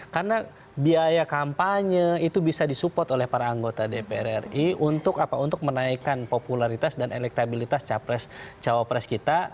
karena biaya kampanye itu bisa disupport oleh para anggota dpr ri untuk menaikkan popularitas dan elektabilitas cowopres kita